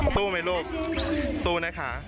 สู้ไหมลูกสู้นะคะ